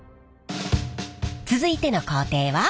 続いての工程は。